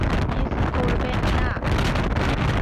Miss করবেন না।